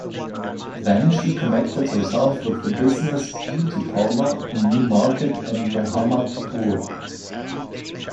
Then she connected herself with the business Beauty Parlour in New Market and Mohammadpur.